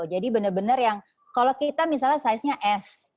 jadi benar benar yang kalau kita misalnya saiznya s